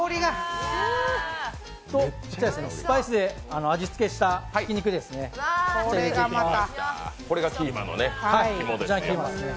スパイスで味付けしたひき肉、こちらを入れていきます。